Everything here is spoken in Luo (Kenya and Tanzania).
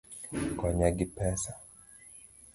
Konya gi pesa